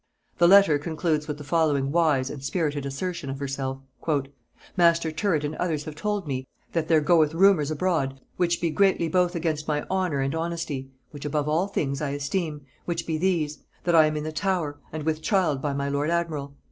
The letter concludes with the following wise and spirited assertion of herself. "Master Tyrwhitt and others have told me, that there goeth rumours abroad which be greatly both against my honor and honesty, (which above all things I esteem) which be these; that I am in the Tower, and with child by my lord admiral.